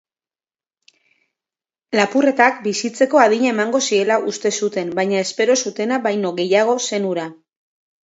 Lapurretak bizitzeko adina emango ziela uste zuten baina espero zutena baino gehiago zen hura.